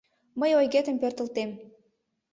Мый ойгетым пӧртылтем: